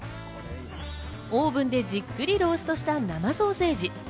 オーブンでじっくりローストした、生ソーセージ。